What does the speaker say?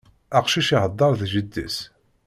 Aqcic ihedder d jeddi-s.